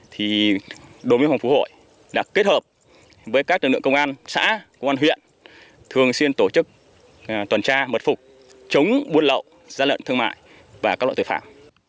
thì đối với phòng phủ hội đã kết hợp với các lực lượng công an xã công an huyện thường xuyên tổ chức toàn tra mật phục chống buôn lậu gian lận thương mại và các loại tội phạm